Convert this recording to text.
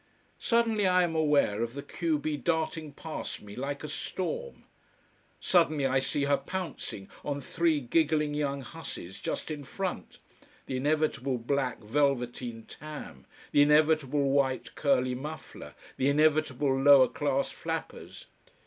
Suddenly I am aware of the q b darting past me like a storm. Suddenly I see her pouncing on three giggling young hussies just in front the inevitable black velveteen tam, the inevitable white curly muffler, the inevitable lower class flappers.